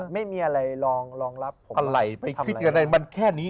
ไม่มีอะไรเลย